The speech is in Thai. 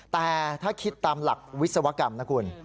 แต่ถ้าคิดตามหลักวิศวกรรมนะคุณ